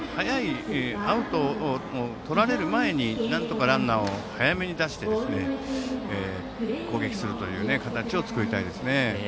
アウトをとられる前になんとかランナーを早めに出して攻撃するという形を作りたいですね。